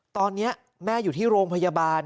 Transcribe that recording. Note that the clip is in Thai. ตอนนี้แม่อยู่ที่โรงพยาบาล